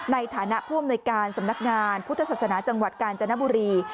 ในฐานะผู้อำนวยการสำนักงานพุทธศาสนาจังหวัดกาญจนบุรี